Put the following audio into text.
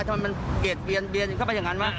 ทำไมมันเกรียดเบียนเกือบเข้าไปอย่างนั้นล่ะ